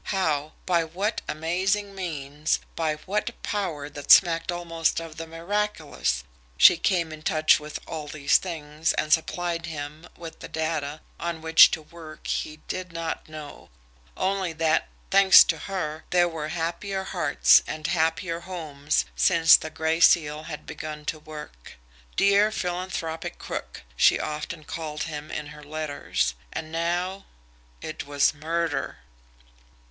How, by what amazing means, by what power that smacked almost of the miraculous she came in touch with all these things and supplied him with the data on which to work he did not know only that, thanks to her, there were happier hearts and happier homes since the Gray Seal had begun to work. "Dear Philanthropic Crook," she often called him in her letters. And now it was MURDER!